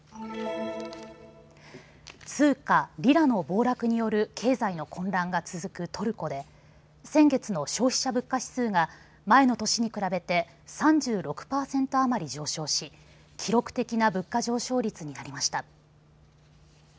通貨リラの暴落による経済の混乱が続くトルコで先月の消費者物価指数が前の年に比べて３６％余り上昇し、記録的な物価上昇率になりました。